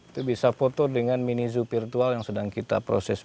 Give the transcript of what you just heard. itu bisa foto dengan mini zoo virtual yang sedang kita proses